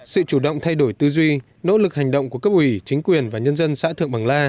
sự chủ động thay đổi tư duy nỗ lực hành động của cấp ủy chính quyền và nhân dân xã thượng bằng la